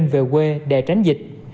về quê để tránh dịch